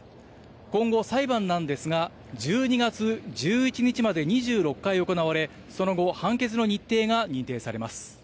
今後裁判なんですが、１２月１１日まで２６回行われ、その後、判決の日程が認定されます。